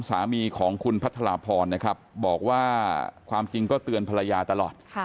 สามีของคุณพัทรพรนะครับบอกว่าความจริงก็เตือนภรรยาตลอด